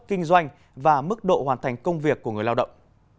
kinh doanh và mức độ hoàn thành công việc của người lao động